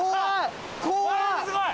怖い！